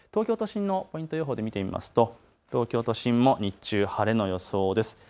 東京都心のポイント予報で見てみますと東京都心も日中、晴れの予想です。